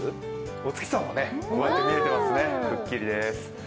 お月さまがこうやって見えてますね、くっきりです。